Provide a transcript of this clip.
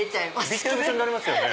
びっちゃびちゃになりますね。